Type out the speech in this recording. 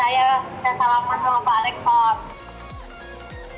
saya selalu bersama pak alex ford